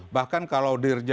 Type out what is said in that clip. bahkan kalau dirjen